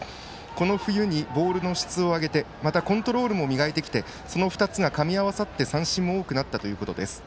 この冬のボールの質を上げてまたコントロールも磨いてきてその２つがかみ合わさって三振も多くなったということです。